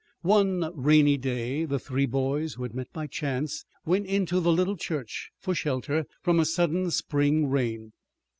One rainy day the three boys, who had met by chance, went into the little church for shelter from a sudden spring rain.